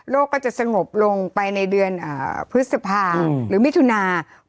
ก็จะสงบลงไปในเดือนพฤษภาหรือมิถุนา